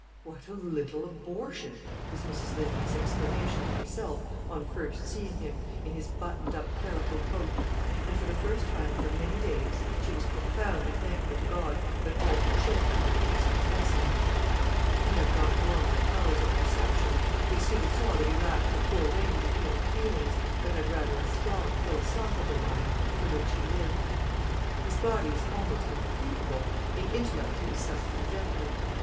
"What a little abortion!" was Mrs Lindley's exclamation to herself on first seeing him, in his buttoned up clerical coat. And for the first time for many days, she was profoundly thankful to God that all her children were decent specimens. He had not normal powers of perception. They soon saw that he lacked the full range of human feelings, but had rather a strong, philosophical mind, from which he lived. His body was almost unthinkable, in intellect he was something definite.